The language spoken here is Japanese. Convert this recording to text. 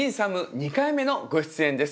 ２回目のご出演です。